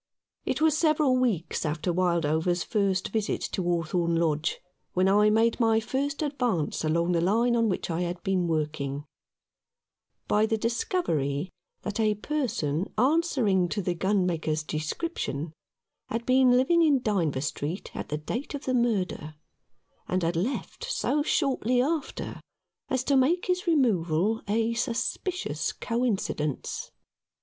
It was several weeks after Wildover's first visit to Hawthorn Lodge when I made my first advance along the line on which I had been working, by the discovery that a person answering to the gunmaker's description had been living in Dynevor Street at the date of the murder, and had left so shortly after as to make his removal a suspicious coincidence.